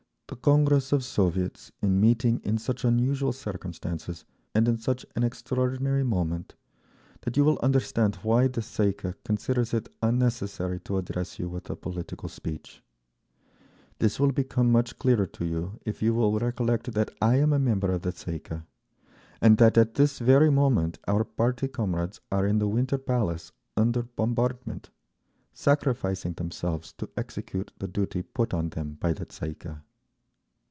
The Congress of Soviets in meeting in such unusual circumstances and in such an extraordinary moment that you will understand why the Tsay ee kah considers it unnecessary to address you with a political speech. This will become much clearer to you if you will recollect that I am a member of the Tsay ee kah, and that at this very moment our party comrades are in the Winter Palace under bombardment, sacrificing themselves to execute the duty put on them by the _Tsay ee kah."